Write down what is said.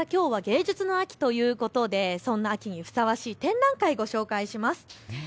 それからきょうは芸術の秋ということで、そんな秋にふさわしい展覧会をご紹介します。